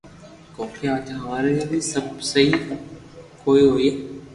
ڪونڪھ اج ھاوري مي سبب سھي ڪوئئي ھوئي